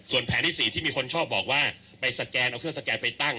ส่วนแผนที่๔ที่มีคนชอบบอกว่าไปสแกนเอาเครื่องสแกนไปตั้ง